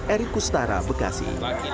erik kustara bekasi